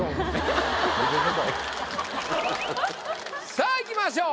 さあいきましょう。